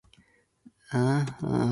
jdmpjdmx